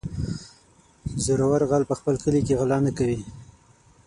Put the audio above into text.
زورور غل په خپل کلي کې غلا نه کوي.